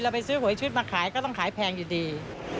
ไปซื้อหวยชุดมาขายก็ต้องขายแพงอยู่ดี